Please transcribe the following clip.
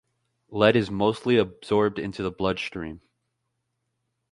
Lead is mostly absorbed into the bloodstream.